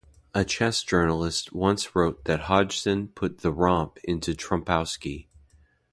A chess journalist once wrote that Hodgson put the 'romp' into Trompowsky.